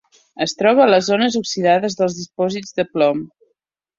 Es troba a les zones oxidades dels dipòsits de plom.